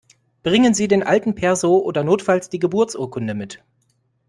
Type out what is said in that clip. Bringen Sie den alten Perso oder notfalls die Geburtsurkunde mit!